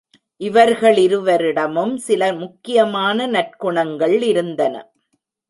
இவர்களிருரிடமும் சில முக்கியமான நற்குணங்கள் இருந்தன.